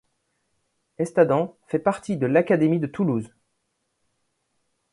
Estadens fait partie de l'académie de Toulouse.